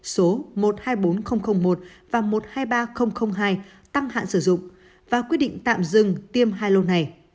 số một trăm hai mươi bốn nghìn một và một trăm hai mươi ba nghìn hai tăng hạn sử dụng và quyết định tạm dừng tiêm hai lô này